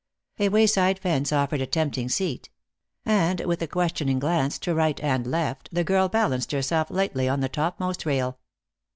A wayside fence offered a tempting seat; and, with a questioning glance to right and left, the girl balanced herself lightly on the topmost rail.